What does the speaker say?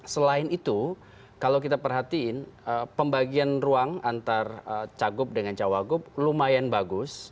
selain itu kalau kita perhatiin pembagian ruang antar cagup dengan cawagup lumayan bagus